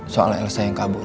soal ilesa yang kabur